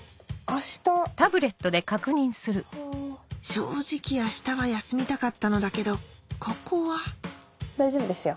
正直あしたは休みたかったのだけどここは大丈夫ですよ。